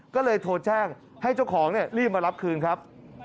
ก็เลยโทรแจ้งให้เจ้าของรีบมารับคืนครับ